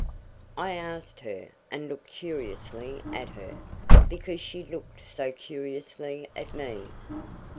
I asked her, and looked curiously at her, because she looked so curiously at me.